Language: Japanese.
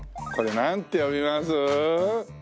これなんて読みます？